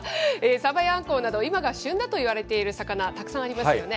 サバやアンコウなど、今が旬だといわれている魚、たくさんありますよね。